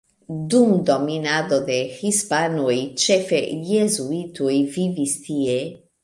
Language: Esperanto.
Dum dominado de hispanoj ĉefe jezuitoj vivis tie.